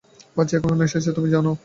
বাচ্চা কখন এসেছে সেটা তুমিই জান।